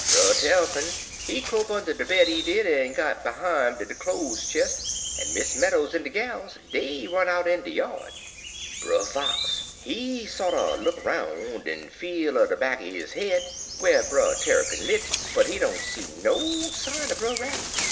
Brer Tarrypin, he crope under de bed, he did, en got behime de cloze chist, en Miss Meadows en de gals, dey run out in de yard. "Brer Fox, he sorter look roun' en feel or de back er his head, whar Brer Tarrypin lit, but he don't see no sine er Brer Rabbit.